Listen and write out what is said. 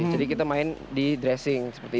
jadi kita main di dressing seperti ini